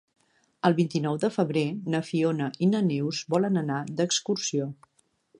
El vint-i-nou de febrer na Fiona i na Neus volen anar d'excursió.